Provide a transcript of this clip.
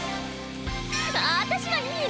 私はいいの！